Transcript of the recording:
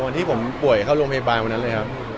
ที่ผมป่วยเข้าโรงพยาบาลวันนั้นเลยครับ